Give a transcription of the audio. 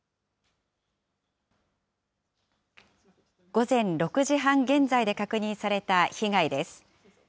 午前６時半現在で確認された被害です。